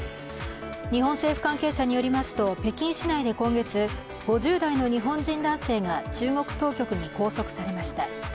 日本政府関係者によりますと、北京市内で今月、５０代の日本人男性が中国当局に拘束されました。